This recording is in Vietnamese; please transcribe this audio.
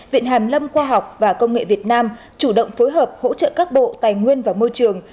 viện hàm lâm khoa học và công nghệ việt nam chủ động phối hợp hỗ trợ các bộ tài nguyên và môi trường